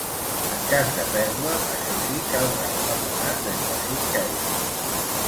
En cas de pèrdua, això sí, caldrà abonar trenta-cinc euros.